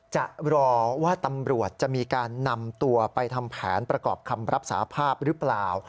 จะรอว่าตำรวจจะมีการนำตัวไปทำแผนประกอบคำรับสาภาพหรือเปล่า